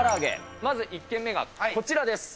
まず１軒目がこちらです。